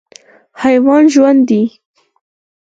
حیوان ژوند دی.